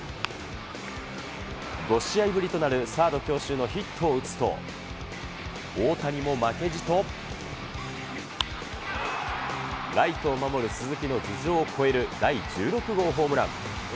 ５試合ぶりとなるサード強襲のヒットを打つと、大谷も負けじと、ライトを守る鈴木の頭上を越える第１６号ホームラン。